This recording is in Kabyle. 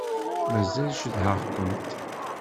Mazal cedhaɣ-kent.